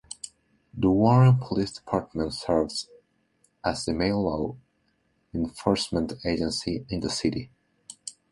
The Warren Police Department serves as the main law enforcement agency in the city.